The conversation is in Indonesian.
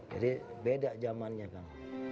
jadi beda zamannya kan